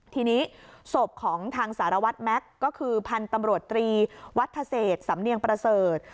ทีนี้ศพของทางสารวัตรแม็กซ์ก็คือพันธุ์ตำรวจตรีวัฒเศษสำเนียงประเสริฐ